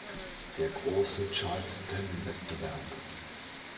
Der große Charleston Wettbewerb.